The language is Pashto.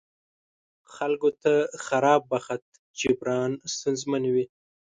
خلکو ته خراب بخت جبران ستونزمن وي.